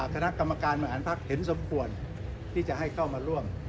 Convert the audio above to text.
คณะกรรมการบริหารภักดิ์เห็นสมควรที่จะให้เข้ามาร่วม